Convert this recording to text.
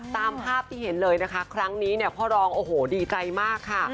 ตามภาพที่เห็นเลยนะคะครั้งนี้เนี่ยพ่อรองโอ้โหดีใจมากค่ะ